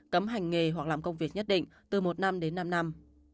cấm hành nghề hoặc làm công việc nhất định từ một năm đến năm năm